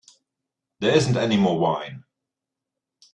There isn't any more wine.